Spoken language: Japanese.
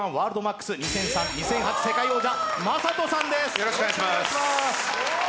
２００８年の世界王者、魔裟斗さんです。